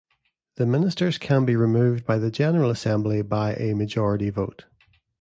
The ministers can be removed by the General Assembly by a majority vote.